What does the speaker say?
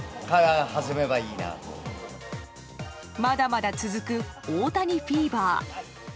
まだまだ続く大谷フィーバー。